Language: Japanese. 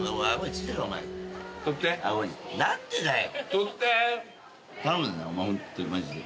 何でだよ。